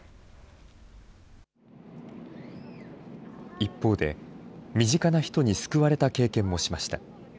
一方で、身近な人に救われた経験もしました。